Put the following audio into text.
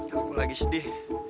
aku lagi sedih